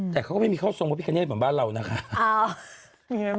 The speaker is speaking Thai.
แต่เขาก็ไม่มีเข้าทรงพระพิคเนตเหมือนบ้านเรานะคะ